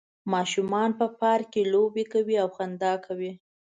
ماشومان په پارک کې لوبې کوي او خندا کوي